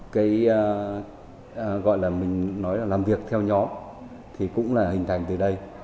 cái gọi là mình nói là làm việc theo nhóm thì cũng là hình thành từ đây